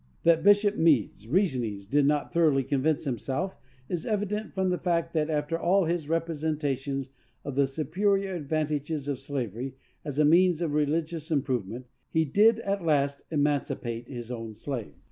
That Bishop Meades, reasonings did not thoroughly convince himself is evident from the fact that, after all his representations of the superior advantages of slavery as a means of religious improvement, he did, at last, emancipate his own slaves.